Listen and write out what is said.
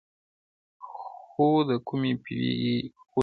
خون د کومي پېغلي دي په غاړه سو آسمانه!